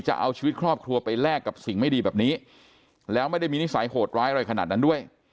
จะเอาชีวิตครอบครัวไปแลกกับสิ่งไม่ดีแบบนี้แล้วไม่ได้มีนิสัยโหดร้ายอะไรขนาดนั้นด้วย